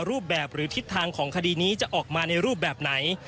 รูปแบบหรือทิศทางของคดีนี้จะออกมาในรูปแบบไหน